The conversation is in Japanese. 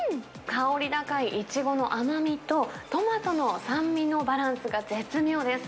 香り高いイチゴの甘みと、トマトの酸味のバランスが絶妙です。